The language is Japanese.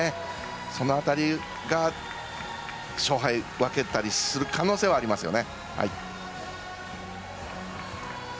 その辺りが勝敗を分けたりする可能性はありますよね。